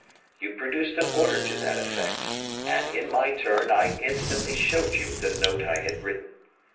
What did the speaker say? You produced an order to that effect; and, in my turn, I instantly showed you the note I had written.